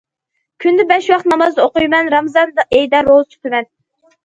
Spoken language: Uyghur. كۈندە بەش ۋاق ناماز ئوقۇيمەن، رامىزان ئېيىدا روزا تۇتىمەن.